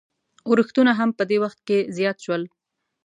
اورښتونه هم په دې وخت کې زیات شول.